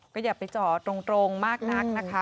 ก็อย่าไปจอดตรงมากนักนะคะ